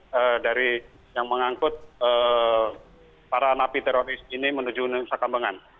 jadi yang mengangkut para napi teroris ini menuju nusa kambangan